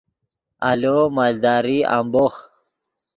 آلو مالداری امبوخ